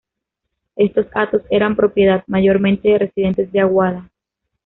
Estos hatos eran propiedad, mayormente, de residentes de Aguada.